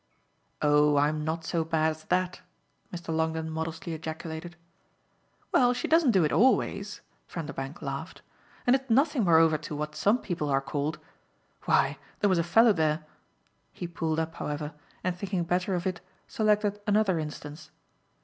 "Oh I'm not so bad as that!" Mr. Longdon modestly ejaculated. "Well, she doesn't do it always," Vanderbank laughed, "and it's nothing moreover to what some people are called. Why, there was a fellow there " He pulled up, however, and, thinking better of it, selected another instance.